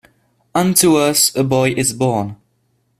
Unto us a boy is born.